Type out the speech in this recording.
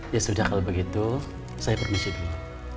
ya sudah kalau begitu saya permisi dulu